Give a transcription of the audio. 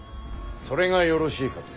それがよろしいかと。